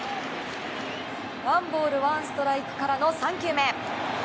ワンボールワンストライクからの３球目。